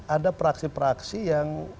ada praksi praksi yang